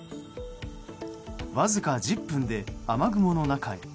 わずか１０分で雨雲の中へ。